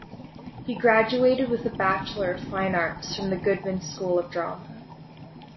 He graduated with a Bachelor of Fine Arts from the Goodman School of Drama.